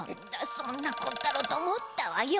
そんなこったろうとおもったわよ。